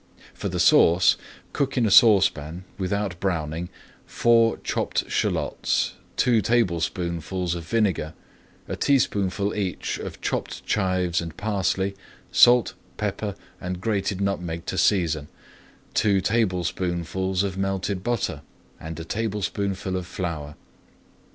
For the sauce, [Page 212] cook in a saucepan, without browning, four chopped shallots, two tablespoonfuls of vinegar, a teaspoonful each of chopped chives and parsley, salt, pepper, and grated nutmeg to season, two tablespoonfuls of melted butter, and a tablespoonful of flour.